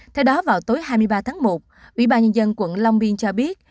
theo đó vào tối hai mươi ba tháng một ủy ban nhân dân quận long biên cho biết